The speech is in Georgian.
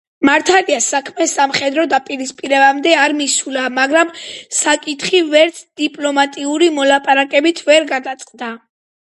მართალია, საქმე სამხედრო დაპირისპირებამდე არ მისულა, მაგრამ საკითხი ვერც დიპლომატიური მოლაპარაკებით ვერ გადაწყდა.